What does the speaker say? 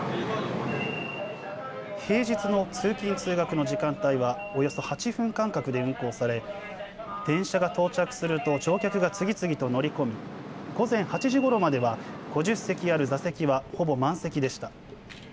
平日の通勤通学の時間帯はおよそ８分間隔で運行され電車が到着すると乗客が次々と乗り込み午前８時ごろまでは５０席ある座席はほぼ満席でした。